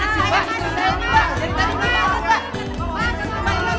dari tadi mbak mbak